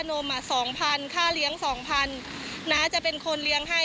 ถ้าเลี้ยง๒๐๐๐บาทนะจะเป็นคนเลี้ยงให้